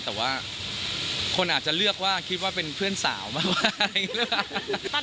แต่ว่าคนอาจจะเลือกว่าคิดว่าเป็นเพื่อนสาวมากกว่าอะไรอย่างนี้หรือเปล่า